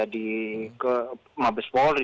tiga di mabes polri